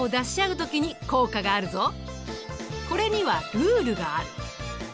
これにはルールがある。